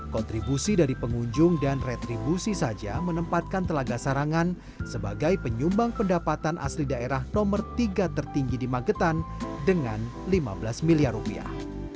kontribusi dari pengunjung dan retribusi saja menempatkan telaga sarangan sebagai penyumbang pendapatan asli daerah nomor tiga tertinggi di magetan dengan lima belas miliar rupiah